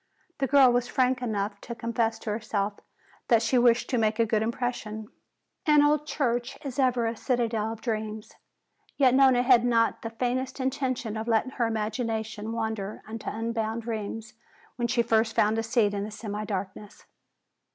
The girl was frank enough to confess to herself that she wished to make a good impression. An old church is ever a citadel of dreams. Yet Nona had not the faintest intention of letting her imagination wander into unbounded realms when she first found a seat in the semi darkness.